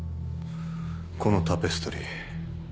このタペストリー。